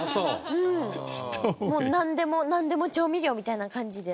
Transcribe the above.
もうなんでもなんでも調味料みたいな感じで。